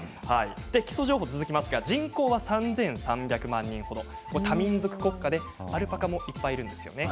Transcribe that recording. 基礎情報、人口は３３００万人程多民族国家で、アルパカもいっぱいいるんですよね。